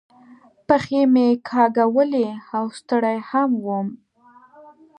پښې مې کاږولې او ستړی هم ووم.